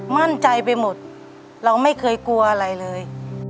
มั่นใจไปหมดเราไม่เคยกลัวอะไรเลย